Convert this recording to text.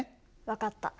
分かった。